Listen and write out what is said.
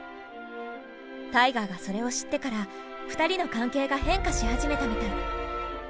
タイガーがそれを知ってから２人の関係が変化し始めたみたい。